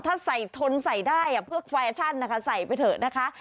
ถ้าใส่ทนใส่ได้เพื่อควายชั่นใส่ไปเถอะ